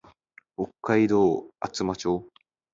北海道厚真町